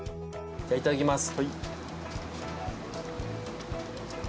いただきます。